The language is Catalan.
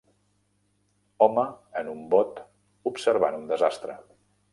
home en un bot observant un desastre.